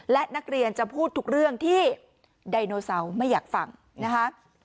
และนักเรียนจะพูดทุกเรื่องที่ไดโนเซาไม่อยากฟังนะคะ